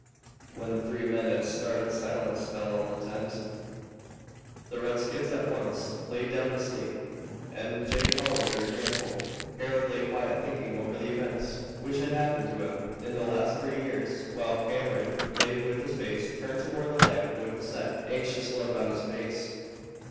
When the three men had started silence fell on the tent. The redskins at once lay down to sleep, and Jake followed their example. Harold lay quiet thinking over the events which had happened to him in the last three years, while Cameron lay with his face turned toward the lamp with a set, anxious look on his face.